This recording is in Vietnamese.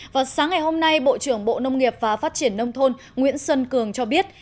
vào sáng ngày hôm nay bộ trưởng bộ nông nghiệp và phát triển nông thôn nguyễn xuân cường cho biết